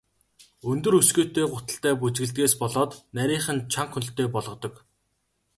Өндөр өсгийтэй гуталтай бүжиглэдгээс болоод нарийхан, чанга хөлтэй болгодог.